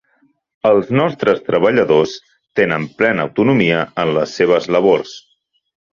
Els nostres treballadors tenen plena autonomia en les seves labors.